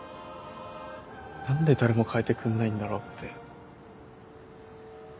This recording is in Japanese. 何で誰も変えてくんないんだろうって。